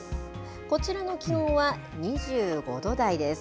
こちらの気温は２５度台です。